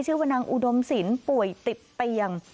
ชื่อว่านางอุดมสินป่วยติดเปลี่ยง